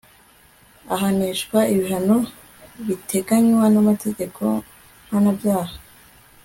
ahanishwa ibihano biteganywa n'amategeko mpanabyaha